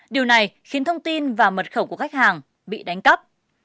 điều này khiến thông tin và mật khẩu của khách hàng bị đánh cắp